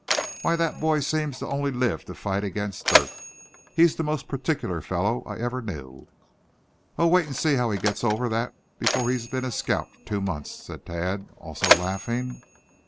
"Why, that boy seems to only live to fight against dirt. He's the most particular fellow I ever knew." "Oh! wait and see how he gets over that before he's been a scout two months," said Thad, also laughing.